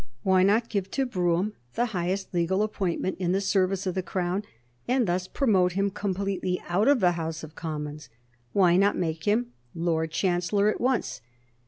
Why not give to Brougham the highest legal appointment in the service of the Crown, and thus promote him completely out of the House of Commons? Why not make him Lord Chancellor at once?